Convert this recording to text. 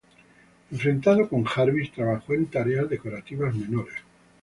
Enfrentado con Jarvis, trabajó en tareas decorativas menores.